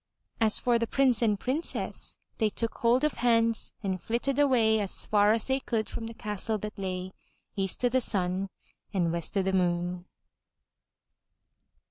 As for the Prince and Princess, they took hold of hands and flitted away as far as they could from the castle that lay EAST O' THE SUN AND WEST O' THE MOON.